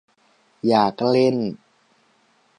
อยากเล่น !